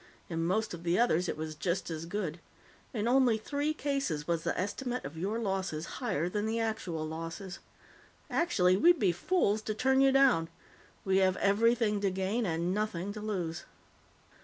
In most of the others, it was just as good. In only three cases was the estimate of your losses higher than the actual losses. Actually, we'd be fools to turn you down. We have everything to gain and nothing to lose."